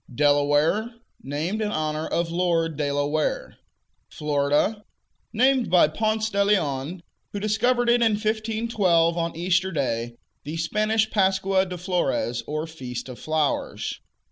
Delaware Named in honor of Lord De La Ware. Florida Named by Ponce de Leon, who discovered it in 1512, on Easter Day, the Spanish Pascua de Flores, or "Feast of Flowers."